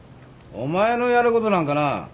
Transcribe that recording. お前のやることなんかな